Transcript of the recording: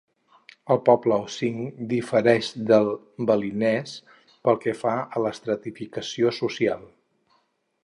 El poble osing difereix del balinès pel que fa a l'estratificació social.